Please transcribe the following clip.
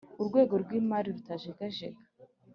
urwego rw imari rutajegajega